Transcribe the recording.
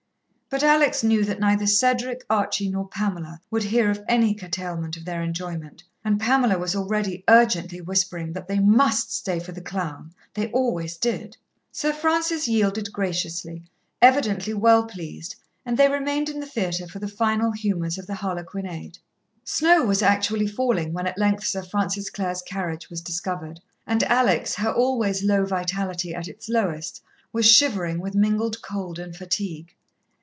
But Alex knew that neither Cedric, Archie nor Pamela would hear of any curtailment of their enjoyment, and Pamela was already urgently whispering that they must stay for the clown they always did. Sir Francis yielded graciously, evidently well pleased, and they remained in the theatre for the final humours of the harlequinade. Snow was actually falling when at length Sir Francis Clare's carriage was discovered, and Alex, her always low vitality at its lowest, was shivering with mingled cold and fatigue.